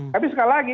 tapi sekali lagi